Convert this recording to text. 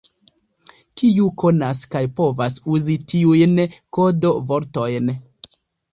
Kiu konas kaj povas uzi tiujn kodo-vortojn?